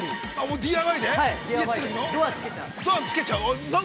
◆ＤＩＹで？